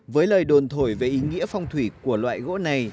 với lời đồn thổi về ý nghĩa phong thủy của loại gỗ này